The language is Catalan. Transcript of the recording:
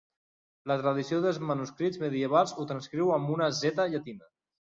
La tradició dels manuscrits medievals ho transcriu amb una Z llatina.